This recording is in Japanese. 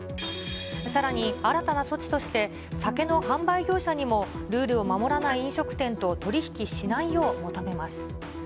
さらに新たな措置として、酒の販売業者にも、ルールを守らない飲食店と取り引きしないよう求めます。